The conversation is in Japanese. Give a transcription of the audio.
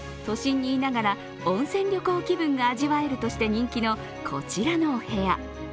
都心にいながら温泉旅行気分が味わえるとして人気のこちらのお部屋。